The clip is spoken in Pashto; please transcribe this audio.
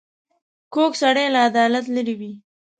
کوږ سړی له عدالت لیرې وي